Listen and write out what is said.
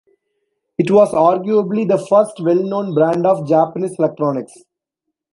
It was arguably the first well-known brand of Japanese electronics.